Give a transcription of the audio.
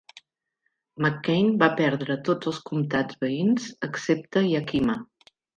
McCain va perdre tots els comtats veïns excepte Yakima.